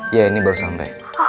iya ini baru sampai